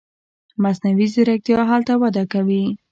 مصنوعي ځیرکتیا هلته وده کوي.